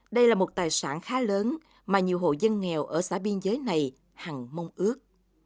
đây là một tài sản khá lớn mà nhiều hộ dân nghèo ở xã biên giới này hằng mong ước